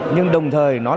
nhưng đồng thời